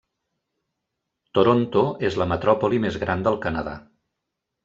Toronto és la metròpoli més gran del Canadà.